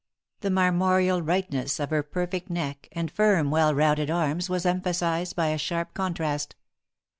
The marmoreal whiteness of her perfect neck and firm, well rounded arms was emphasized by a sharp contrast.